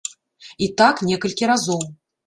І так некалькі разоў.